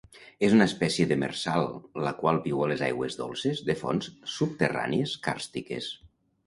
És una espècie demersal, la qual viu a les aigües dolces de fonts subterrànies càrstiques.